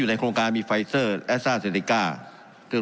อยู่ในโครงการมีไฟซเซอร์แอสซาสเซนดิก้าซึ่ง